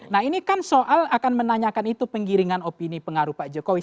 nah ini kan soal akan menanyakan itu penggiringan opini pengaruh pak jokowi